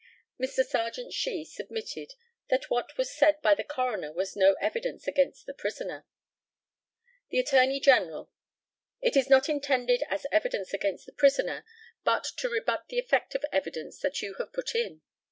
Mr. Serjeant SHEE submitted that what was said by the coroner was no evidence against the prisoner. The ATTORNEY GENERAL: It is not intended as evidence against the prisoner, but to rebut the effect of evidence that you have put in.